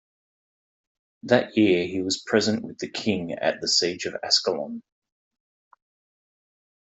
That year he was present with the king at the Siege of Ascalon.